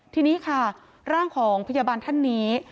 ทีนี้ค่ะร่างของพยาบาลท่านนี้